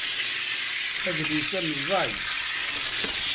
Adlis-a meẓẓey